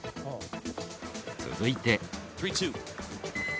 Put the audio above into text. ［続いて］